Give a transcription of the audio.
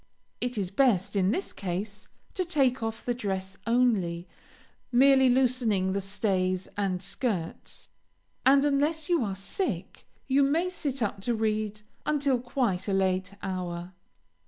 It is best, in this case, to take off the dress only, merely loosening the stays and skirts, and, unless you are sick, you may sit up to read until quite a late hour.